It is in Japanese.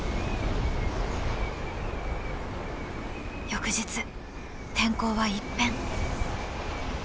翌日天候は一変。